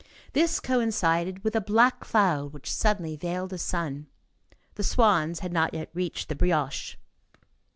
This coincided with a black cloud which suddenly veiled the sun. The swans had not yet reached the brioche.